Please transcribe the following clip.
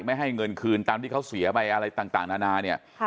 ไม่ให้เงินคืนตามที่เขาเสียไปอะไรต่างนานาเนี่ย